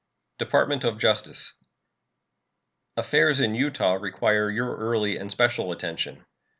DEPARTMENT OF JUSTICE. Affairs in Utah require your early and special attention.